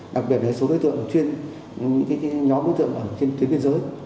đặc biệt là số đối tượng chuyên những nhóm đối tượng ở trên tuyến biên giới